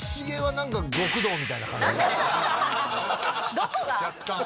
どこが？